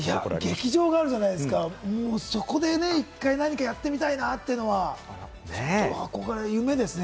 劇場があるじゃないですか、そこで一回何かやってみたいなっていうのは、ちょっと憧れ、夢ですね。